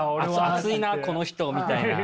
熱いなこの人みたいな。